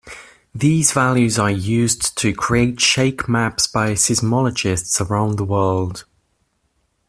These values are used to create shake maps by seismologists around the world.